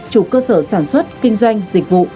chủ cơ sở sản xuất kinh doanh dịch vụ